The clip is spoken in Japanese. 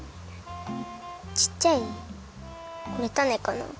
ちっちゃいこれタネかな？